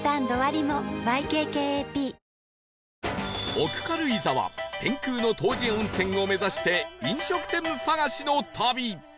奥軽井沢天空の湯治温泉を目指して飲食店探しの旅